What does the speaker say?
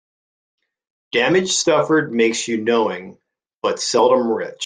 Damage suffered makes you knowing, but seldom rich.